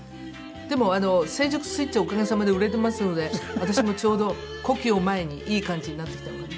でも『成熟スイッチ』はおかげさまで売れてますので私もちょうど古希を前にいい感じになってきたのかな。